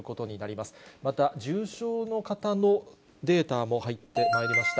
また、重症の方のデータも入ってまいりました。